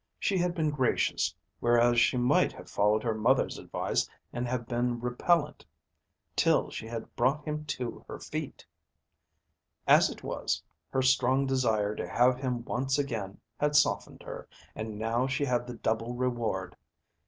She had been gracious, whereas she might have followed her mother's advice and have been repellent till she had brought him to her feet. As it was, her strong desire to have him once again had softened her, and now she had the double reward.